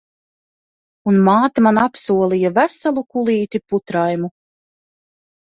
Un māte man apsolīja veselu kulīti putraimu.